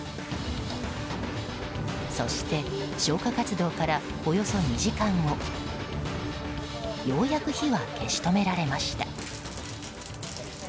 そして、消火活動からおよそ２時間後ようやく火は消し止められました。